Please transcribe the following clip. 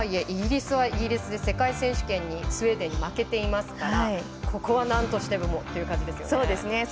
イギリスはイギリスで世界選手権でスウェーデンに負けていますからここはなんとしてもという感じですよね。